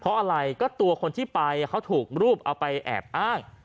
เพราะอะไรก็ตัวคนที่ไปเขาถูกรูปเอาไปแอบอ้าง